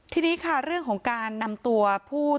ทีนี้ค่ะเรื่องของการนำตัวผู้